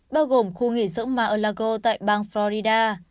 bao gồm khu nghỉ dưỡng mar a lago tại bang florida